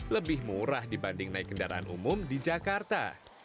lebih murah dibanding naik kendaraan umum di jakarta